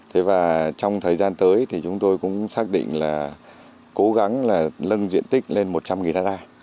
thế và trong thời gian tới thì chúng tôi cũng xác định là cố gắng là lưng diện tích lên một trăm linh ha